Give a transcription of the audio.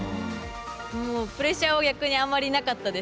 もうプレッシャーは逆にあまりなかったです。